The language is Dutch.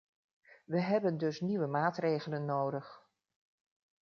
We hebben dus nieuwe maatregelen nodig.